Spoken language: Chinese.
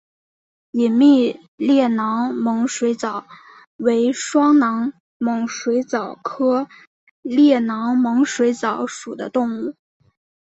隐密裂囊猛水蚤为双囊猛水蚤科裂囊猛水蚤属的动物。